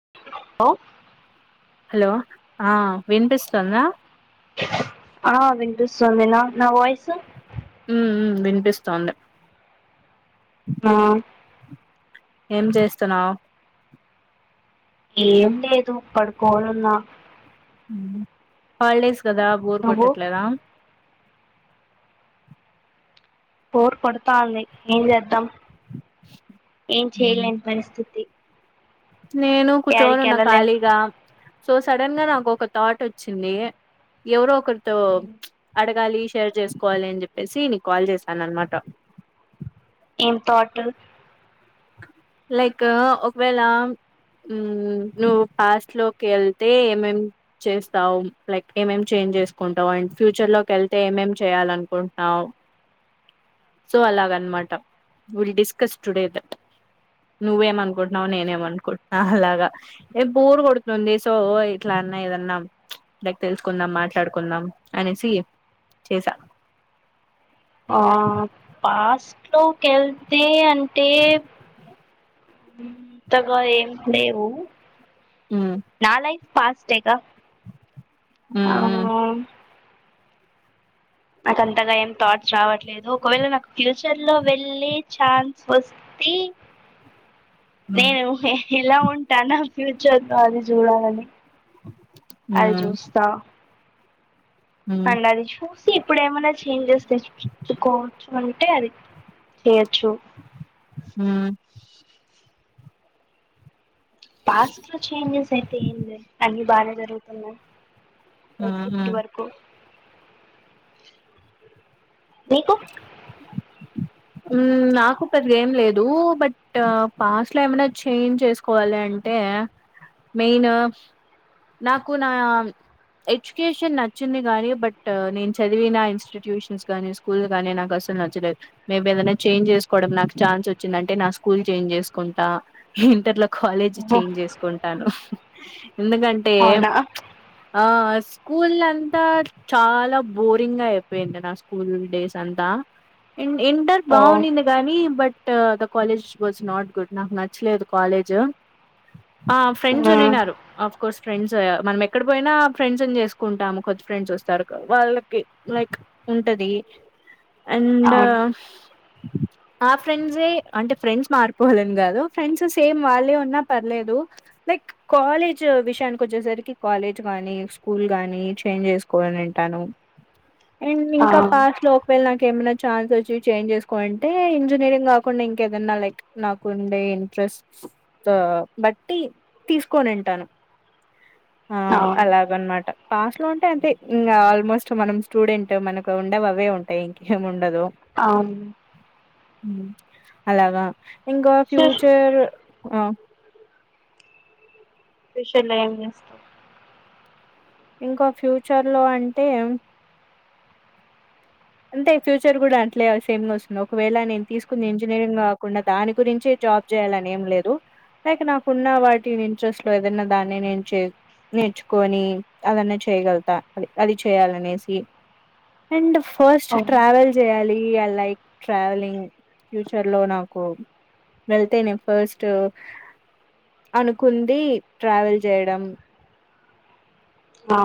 [unintelligible] Hello ఆ వినిపిస్తుంద ఆవినిపిస్తోంది న నా వయిస్ ఉ వినిపిస్తోండే ఆ ఏం చేస్తున్నావ్ ఏం లేదు పడుకోనున్న హాలిడేస్ కదా బోర్ నువ్వు కొట్టట్లేద బోర్ కొడతాంది ఏం చేద్దాం ఏం చేయలేని పరిస్థితి నేను కూర్చోని యాడికి ఉన్నా ఎళ్ళలేం ఖాళీగా సో సడన్ గా న ఒక థాట్ వచ్చింది ఎవరో ఒకరితో [unintelligible] షేర్ చేసుకోవాలి అని చెప్పేసి నీకు కాల్ చేసాను అనమాట ఎం తాటు లైక్ ఒకవేళ నువ్వు పాస్ట్ లోకి వెళ్తే ఏమేం చేస్తావు లైక్ ఏమేం చే చేసుకుంటావ్ అండ్ ఫ్యూచర్ లోకి వెళ్తే ఏమేం చేయాలి అనుకుంటున్నావు సో అలాగనమాట విల్ డిస్కస్ టుడే నువ్వేమనుకుంటున్నా్ నేనే ఏమనుకుంటున్నావు అలాగా ఏ బోరు కొడుతుంది సో ఇట్ల ఏదన్నా లైక్ తెలుసుకుందాం మాట్లాడుకుందాం అనేసి చేస ఆ ఫస్ట్ లోకి కేళ్తే అంటే ఇంతగా ఏం లేవు మ్మ్ నాలై పాస్ట్ ఎగ మ్మ్ నాకు అంతగా ఏం థాట్స్ రావట్లేదు ఒకవేళ నాకు ఫ్యూచర్ లో వెళ్ళి ఛాన్స్ వ తీ మ్మ్ నేను ఎలా ఉంటానో ఫ్యూచర్ లో అది చూడాలని అది మ్మ్ చుస్త [unintelligible] ఇప్పుడు ఏమైనా చేంజెస్ తెచ్చుకోవచ్చు అంటే అది చేయొచ్చు హు పాస్ట్ లో చేంజెస్ అయితే [unintelligible] అన్ని బానే జరుగుతున్నాయి ఎస్ ఇప్పటి మ్మ్ వరుకు మీకు నాకు పెద్దగా ఏం లేదు బట్ పాస్ట్ లో ఏమైనా చేంజ్ చేసుకోవాలి అంటే అంటే మెయిన్ నాకు నా ఎడ్యుకేషన్ నచ్చింది గానీ బట్ నేను చదివిన ఇన్స్టిట్యూషన్స్ గానీ స్కూల్ గానీ నాకు అసల్ నచ్చలే మేబి ఏదైనా చేంజ్ చేసుకోవడం నాకు ఛాన్స్ వచ్చిందంటే నా స్కూల్ చేంజ్ చేసుకుంటా ఇంటర్లో కాలేజ్ అబ్బో చేంజ్ చేసుకుంటాను ఎందుకంటే అవునా ఆ స్కూల్ అంతా చాలా బోరింగ్ గా అయిపోయింది నా స్కూల్ డేస్ అంతా ఎంటర్ ఓ బాగున్నింది గాని బ [unintelligible] కాలేజ్ వాస్ నాట్ గుడ్ నాకు నచ్చలే అ కాలేజ్ ఆ ఫ్రెండ్స్ మ్మ్ ఉన్నిన్నరు అఫ్ కోర్స్ ఫ్రెండ్స్ మనం ఎక్కడ పోయినా ఫ్రెండ్స్ని చేసుకుంటాము కొం ఫ్రెండ్స్ వస్తారుక వాళ్ళకి లైక్ ఉంటది. అండ్ అవును ఆ ఫ్రెండ్సే అంటే ఫ్రెండ్స్ మార్పోవాలని కాదు, ఫ్రెండ్స్ సేమ్ వాళ్ళే ఉన్నా పర్లేదు. లైక్ కాలేజ్ విషయానికకొచ్చేసరికి కాలేజ్ గాని, స్కూల్ గానీ, చేంజ్ చేసుకోవాలంట ను అండ్ ఆ ఇంకా పాస్ లోకి వెళ్ళి నాక ఏమన్నా ఛాన్స్ వచ్చి చేంజ్ చేసుకోంటే ఇంజనీరింగ్ కాకుండా ఇంకేదన్నా లైక్ నాకు ఉండే ఇంట్రెస్ట్ ఆ బట్టి తీసుకొని ఇంటాను. ఆ అవును అలాగన్నమాట పాస్ట్ లో ఉంటే అంటె ఇంగా ఆల్మోస్ట్ మనం స్టూడెంట్, మనకు ఉండవవే ఉంటాయి ఇంకేం ఉండదు. అం అలాగా ఇంకా ఫ్యూచర్ ఆ ఫ్యూచర్ లో ఏం చేస్తావ్? ఇంకా ఫ్యూచర్ లో అంటే అంటే ఫ్యూచర్ గుడ అట్లే సేమ్ గా వస్తుంది, ఒకవేళ నేను తీసుకుంది ఇంజనీరింగ్ కాకుండా దాని గురించే జాబ్ చేయాలని ఏం లేదు, లైక్ నాకున్న వాటి ఇంట్రెస్ట్ లో ఏదన్నా దాన్ని నేను చే నేర్చుకొని అదన్న చేయగలుగుతా అ అది చేయాలనేసి. అండ్ ఫస్ట్ అవును ట్రావెల్ చేయాలి. ఈ ఐ లైక్ ట్రావెలింగ్. ఫ్యూచర్ లో నాకు వెళ్తేనే ఫస్టు అనుకుంది ట్రావెల్ చేయడం ఆ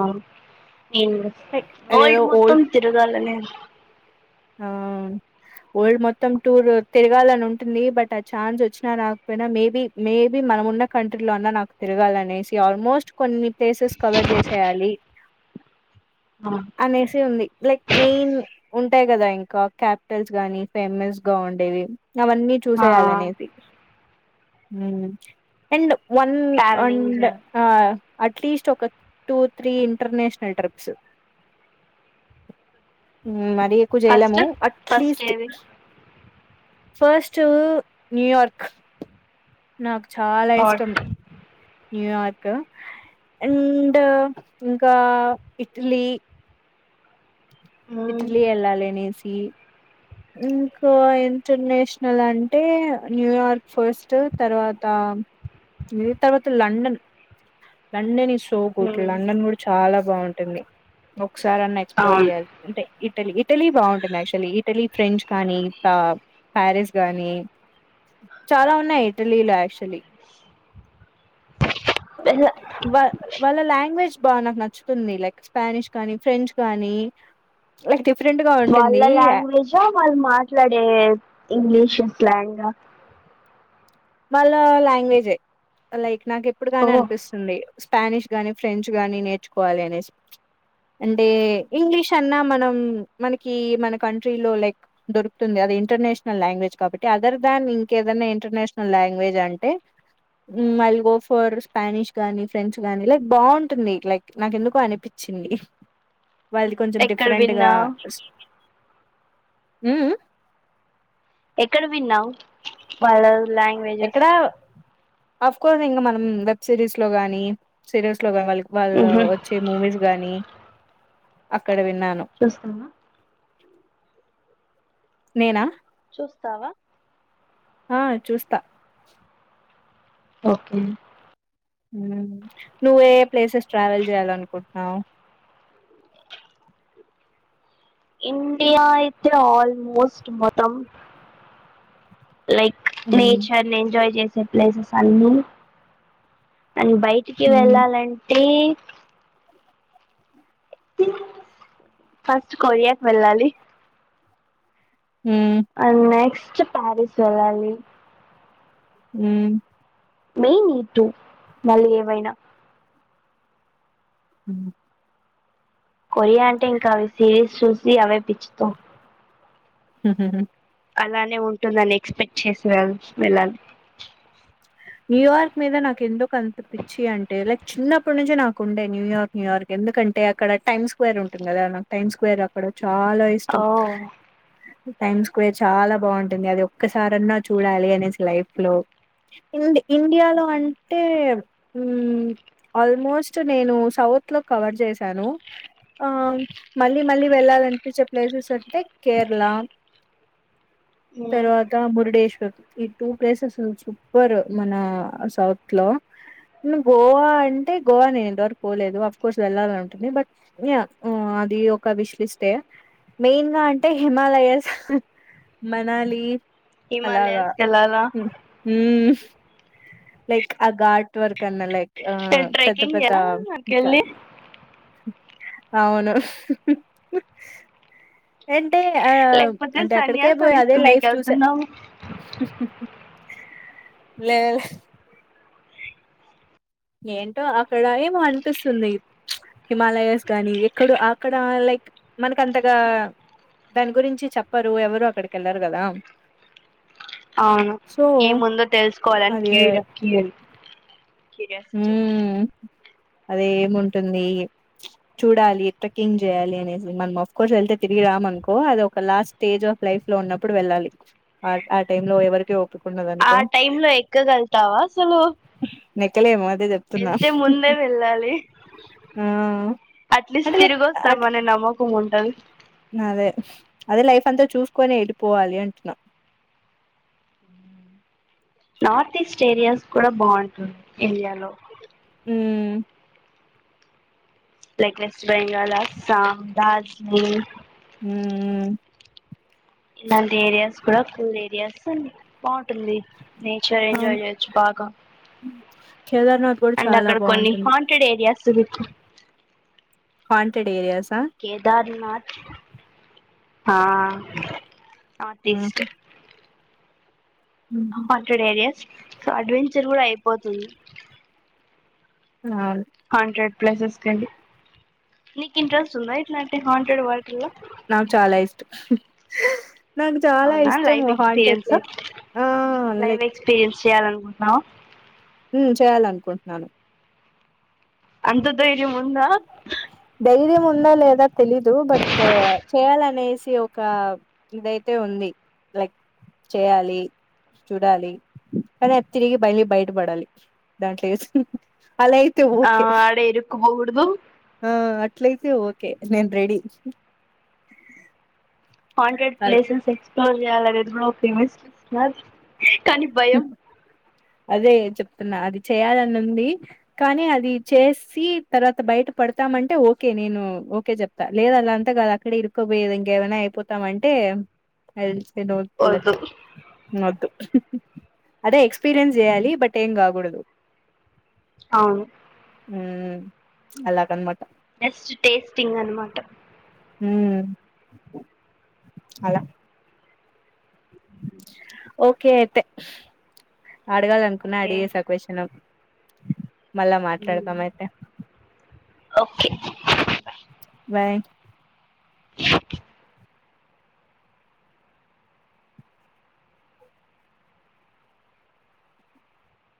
నేను గుడ లైక్ వోల్డ్ అదేదో మొత్తం తిరుగాలనే ఆ వోల్డ్ మొత్తం టూర్ తిరగాలని ఉంటుంది, బట్ ఆ ఛాన్స్ వచ్చినా రాకపోయినా మేబీ మేబీ మ మనం ఉన్న కంట్రీలో అన్నా నాకు తిరగాలనేసి, ఆల్మోస్ట్ కొన్ని ప్లేసెస్ కవర్ చేసేయాలి. ఆ తే ఉంది లైక్ మెయిన్ ఉంటాయి కదా ఇంకా, క్యాపిటల్స్ గాని ఫేమస్ గా ఉండేవి. అవన్నీ ఆ చూసేయాలనేసి, ఉమ్ అండ్ వన్ వన్ ట్రావెలింగ్ ఆ అట్లీస్ట్ ఒక టూ త్రీ ఇంటర్నేషనల్ ట్రిప్స్. ఉమ్ మరీ ఎక్కువ ఫస్ట్ చేయలేము ఫస్ట్ అట్లీస్ట్ ఏది ఫస్టు న్యూయార్క్ నాకు చాలా హాట్ ఇష్టం న్యూయార్క్ అండ్ ఇంకా ఇటలీ. మ్మ్ ఇట్లీ ఎల్లాలనేేసి ఇంకా ఇంటర్నేషనల్ అంటే న్యూయార్క్ ఫస్ట్ తర్వాత ఆ తర్వాత లండన్ లండన్ ఇష్ సో గట్ట మ్మ్ లండన్ కూడా చాలా బాగుంటుంది. ఒకసారి అన్నా ఎక్స్ప్లోర్ అవును చేయాలి అంటే, ఇటలీ ఇటలీ బాగుంటుంది యాక్చులీ ఇట్ ఫ్రెంచ్ కానీ ఇంకా ప్యారిస్ కానీ చాలా ఉన్నాయి ఇటలీలో యాక్చులీ. వా వాళ్ళ లాంగ్వేజ్ బాగా నాకు నచ్చుతుంది లైక్ స్పానిష్ కానీ ఫ్రెంచ్ కానీ డిఫరెంట్ గా ఉంటుంది సో వాళ్ళు మాట్లాడే ఇంగ్లీష్ స్లాంగ్ మళ్ళా లాంగ్వేజే లైక్ నాకు ఎప్పుడు ఓ కానీ అనిపిస్తుంది స్పానిష్ గానీ ఫ్రెంచ్ గానీ నేర్చుకోవాలి అనేసి అంటే ఇంగ్లీష్ అన్నా మనం ఉం మనకి మన కంట్రీ లో లైక్ దొరుకుతుంది అది ఇంటర్నేషనల్ లాంగ్వేజ్ కాబట్టి అదర్ దన్ ఇంకేదన్నా ఇంటర్నేషనల్ లాంగ్వేజ్ అంటే ఉం I'll go for Spanish గానీ ఫ్రెంచ్ గానీ లైక్ బాగుంటుంది లైక్ నాకు ఎందుకో అనిపించింది చిండి వాళ్ళది కొంచెం ఎక్కడ డిఫరెంట్గా విన్నావు ఎక్కడ విన్నావు వాళ్ళ లాంగ్వేజెస్ ఆఫ్ కోర్స్ ఇంకా మనం వెబ్ సిరీస్ లో గాని సిరస్ వాళ్ళ వాళ్ళు మ్మ్ హ్మ్ వచ్చే మూవీస్ గానీ అ అక్కడ విన్నాను చూస్తావా నేనా వస్తావా ఆ చూస్తా ఓకే ఉం నువ్వు ఏ ప్లేసెస్ ట్రావెల్ చేయాల అనుకుంటున్నావు ఇండియా అయితే ఆల్మోస్ట్ మొతం లైక్ హ్మ్. నేచర్ ని ఎంజాయ్ చేసే ప్లేసెస్ అన్నీ అని బయటికి హ్మ్. వెళ్ళాలంటే ఫస్ట్ కొరియాకి వెళ్ళాలి హ్మ్. అ నెక్స్ట్ ప్యారిస్ వెళ్ళాలి ఉం మెయిన్ ఈ టుూ మళ్ళీ ఏవైనా ఉం కొరియా అంటే ఇంకా అవి చేసి చూసి అవే పిచ్చుతం [unintelligible] అలానే ఉంటుందని ఎక్స్పెక్ట్ చేసి వె వెళ్ళాలి న్యూయార్క్ మీద నాకు ఎందుకు అంత పిచ్చి అంటే లైక్ చిన్నప్పటి నుంచి నాకు ఉండే న్యూయార్క్ న్యూయార్క్ ఎందుక అంటే అక్కడ టైమ్ స్క్వేర్ ఉంటుంది కదా నాకు టైమ్ స్క్వేర్ అక్కడ చాలా ఓ ఇష్టం టైమ్స్ ఎక్కువే చాలా బాగుంటుంది అది ఒక్కసారాన్న చూడాలి అనేసి లైఫ్ లో ఇంది ఇండియాలో అంటే ఉం ఆల్మోస్ట్ నేను సౌత్ లో కవర్ చేశాను ఆ మళ్ళీ మళ్ళీ వెళ్ళాలనిపించే ప్లేసెస్ అంటే కేరళ తర్వాత మురుడేశ్వర్ ఈ టూ ప్లేసెస్ ర్ మన సౌత్ లో ఉం గోవా అంటే గోవా నేను ఇంత వరకు పోలేదు అఫ్ కోర్స్ వెళ్లాలంటుంది బట్ అది ఒక విష్ లిస్టే మెయిన్ గా అంటే హిమాలయస్ మనాలి అలాగా హిమాలయస్ కేళ్ళల మ్మ్ లైక్ ఆ గర్ట్ వర్క్ అన్న లైక్ ఆ పెద్ద ట్రెక్కింగ్ పెద్ద ఎలా ఇంక నాకెళ్ళి అవును ఏంటే ఆ లేకపోతే అంటే అక్కడికే సన్యాసం పోయి అదే తీసుకునేకి లైఫ్ చూశ వెళ్తున్నాము లే ఏంటో అక్కడ ఏమో అనిపిస్తుంది ప్చ్ హిమాలయస్ గాని ఎక్కడో అక్కడ లైక్ మనకంతగా దాని గురించి చెప్పరు ఎవరు అక్కడికి ఎళ్లరు కదా అవును సో ఏముందో తెలుసుకోవాలని అది క్యూరియా [unintelligible] క్యూరియాసిటీ అదే ఏముంటుంది చూడాలి ట్రిక్కింగ్ చేయాలి అనేసి మనం అఫ్ కోర్స్ వెళ్తే తిరిగి రాం అనుకో అది ఒక లాస్ట్ స్టేజ్ ఆఫ్ లైఫ్ లో ఉన్నప్పుడు వెళ్ళాలి ఆ ఆ టైం లో ఎవరికి ఓపిక ఉండదు ఆ అనుకో టైమ్ లో ఎక్కగళ్తావా అసలు నెక్కలేము అదే చెప్తున్నా ఎళ్తే ముందే వెళ్ళాలి ఆ అట్లీస్ట్ అంటే లైక్ తిరిగి అట్ వస్తమనే నమ్మకం ఉంటది అదే అదే లైఫ్ అంతా చూసుకొని ఎటు పోవాలి అంటున్న మ్ నార్త్ ఈస్ట్ ఏరియాస్ కూడా బాగుంటుంది ఇండియాలో హ్మ్ఁ like west Bengal Assam Darjeeling హ్మూ ఇలాంటి ఏరియాస్ కూడా కూల్ ఏరియాస్ బా వుంటుంది నేచర్ అవును ఎంజాయ్ చేయొచ్చు బాగ కేదార్నాథ్ కూడా అండ్ చాలా అక్కడ కొన్ని బాగుంటుంది haunted areas haunted areas Kedarnath ఆఁ నార్త్ ఈస్ట్ ఆహా! హుహు. హాంటెడ్ ఏరియాస్ సో అడ్వెంచర్ కూడ అయిపోతుంది. అవును హాంటెడ్ ప్లేసెస్ కెళ్ళి, నీకి ఇంట్రెస్ట్ ఉందా ఇట్లాంటి హాంటెడ్ వాటిల్లో నాకు చాల ఇష్టం నాకు చాలా అవునా ఇష్టం లైవ్ హాంటెడ్ ఎక్స్పీరియన్స్ ప్లేస్ ఆఁ లైక్ చేయాలనుకుంట్నావు మ్ చేయాలనుకుంటున్నాను అంత ధైర్యము ఉందా ధైర్యం ఉందా లేదా తెలీదు బట్ చేయాలనేసి ఒక ఇదైతే ఉంది. లైక్ చేయాలి చూడాలి కానీ తిరిగి బయలు బయటపడాలి దాంట్లో ఏస్ అలా అయితే ఆ ఓకే ఆడ ఇరుక్కుపోకూడదు ఆ అట్లయితే ఓకే నేను ready haunted places explore చేయాలి అదిది [unintelligible] కానీ భయం అదే చెప్తున్నా అది చేయాలని ఉంది కానీ అది చేసి తర్వాత బయట పడత తం అంటే ఓకే నేను ఓకే చెప్తా, లేదు అదంత గాదు అక్కడే ఇరుక్కబోయేది ఇంకేదైనా అయిపోతామంటే, వద్దు [unintelligible] అదే ఎక్స్పీరియన్స్ చేయాలి బట్ ఏం కాకూడదు అవును ఉమ్ అలా కమ్మ బెస్ట్ టేస్టింగ్ అన్నమాట ఉమ్ అలా ఓకే అయితే అడగాలి అనుకున్నా ఓకే అడిగేసా క్వేషన్ మళ్ళా మాట్లాడతామయితే ఓకే